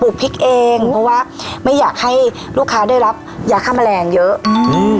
พริกเองเพราะว่าไม่อยากให้ลูกค้าได้รับยาฆ่าแมลงเยอะอืม